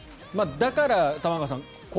だから玉川さん